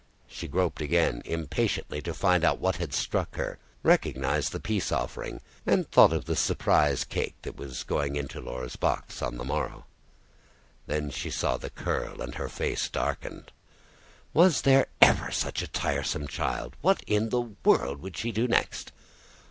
She groped again, impatiently, to find what had struck her, recognised the peace offering, and thought of the surprise cake that was to go into Laura's box on the morrow. Then she saw the curl, and her face darkened. Was there ever such a tiresome child? What in all the world would she do next?